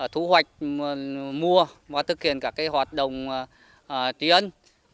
thú hoạch mua và thực hiện các hoạt động tuyên